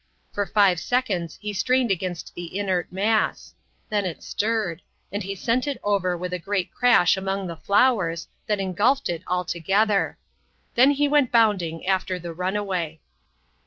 For five seconds he strained against the inert mass. Then it stirred; and he sent it over with a great crash among the flowers, that engulfed it altogether. Then he went bounding after the runaway.